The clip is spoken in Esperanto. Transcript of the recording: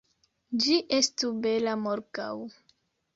Ĝi estu bela morgaŭ!